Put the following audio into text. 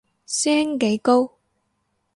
師兄幾高